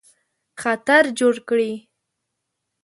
خطر جوړ کړي.